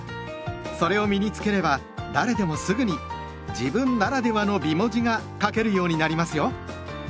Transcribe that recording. それを身に付ければ誰でもすぐに「自分ならではの美文字」が書けるようになりますよ。